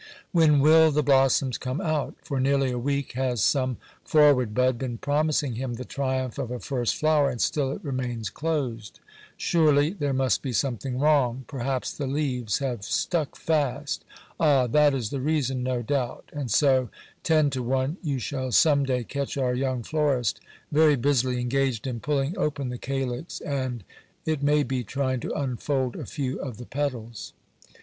When will the blossoms come out ! For nearly a week has some forward bud been promising him the triumph of a first flower, and still it remains closed. Surely there must be something wrong ! Perhaps the leaves have stuck fast Ah ! that is the reason, no doubt. And so ten to one you shall some day catch our young florist very busily engaged in pulling open the calyx, and, it may be, trying to unfold a few of the petals.